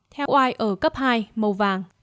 theo quốc oai ở cấp hai